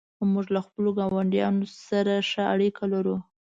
موږ له خپلو ګاونډیانو سره ښه اړیکه لرو.